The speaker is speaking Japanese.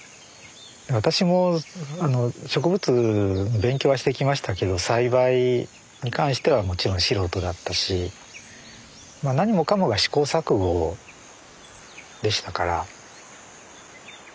私も植物の勉強はしてきましたけど栽培に関してはもちろん素人だったし何もかもが試行錯誤でしたから。